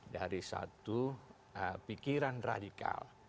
dari satu pikiran radikal